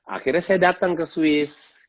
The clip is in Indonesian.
akhirnya saya datang ke swiss